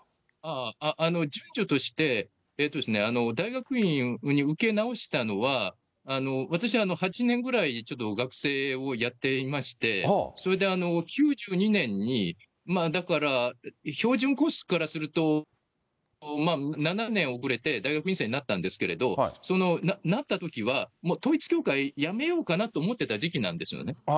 順序として、大学院受け直したのは、私、８年ぐらいちょっと学生をやっていまして、それで９２年に、だから、標準コースからすると、７年遅れて大学院生になったんですけれど、なったときは、もう統一教会やめようかなと思ってた時期なんですよね。